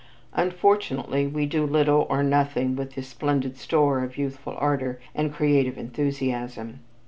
Unfortunately, we do little or nothing with this splendid store of youthful ardor and creative enthusiasm.